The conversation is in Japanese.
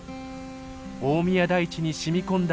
大宮台地にしみ込んだ